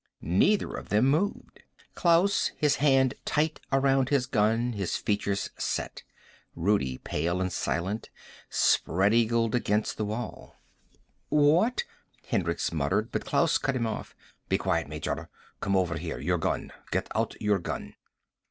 Neither of them moved. Klaus, his hand tight around his gun, his features set. Rudi, pale and silent, spread eagled against the wall. "What " Hendricks muttered, but Klaus cut him off. "Be quiet, Major. Come over here. Your gun. Get out your gun."